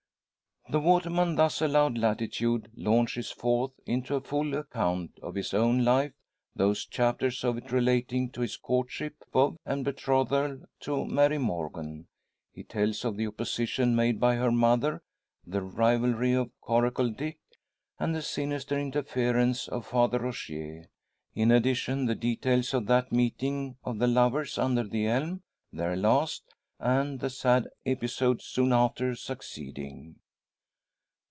The waterman thus allowed latitude, launches forth into a full account of his own life those chapters of it relating to his courtship of, and betrothal to, Mary Morgan. He tells of the opposition made by her mother, the rivalry of Coracle Dick, and the sinister interference of Father Rogier. In addition, the details of that meeting of the lovers under the elm their last and the sad episode soon after succeeding.